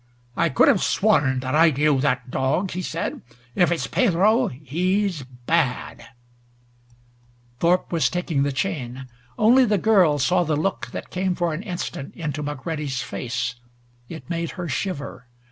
"I could have sworn that I knew that dog," he said. "If it's Pedro, he's bad!" Thorpe was taking the chain. Only the girl saw the look that came for an instant into McCready's face. It made her shiver.